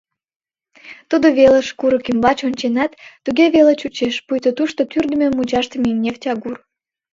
Тудо велыш курык ӱмбач ончетат, туге веле чучеш, пуйто тушто тӱрдымӧ-мучашдыме нефть агур.